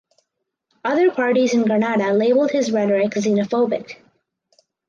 Other parties in Granada labelled his rhetoric xenophobic.